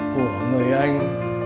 của người anh